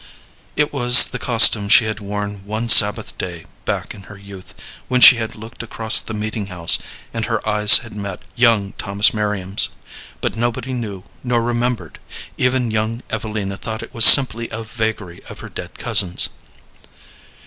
It was the costume she had worn one Sabbath day back in her youth, when she had looked across the meeting house and her eyes had met young Thomas Merriam's; but nobody knew nor remembered; even young Evelina thought it was simply a vagary of her dead cousin's.